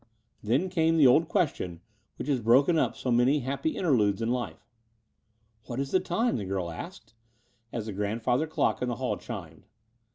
Then came the old question which has broken up so many happy interludes in life. "What is the time?" the girl asked, as the grandfather dock in the hall chimed.